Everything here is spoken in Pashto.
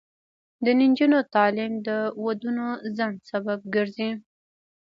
د نجونو تعلیم د ودونو ځنډ سبب ګرځي.